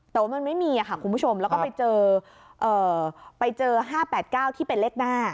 แต่ว่ามันไม่มีค่ะคุณผู้ชมแล้วก็ไปเจอไปเจอ๕๘๙ที่เป็นเลขหน้า